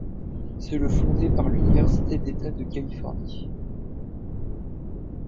C'est le fondé par l'Université d'État de Californie.